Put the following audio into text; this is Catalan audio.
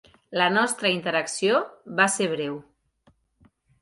La nostra interacció va ser breu.